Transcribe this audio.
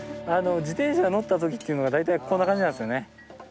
自転車に乗ったときというのが大体こんな感じなんですよね。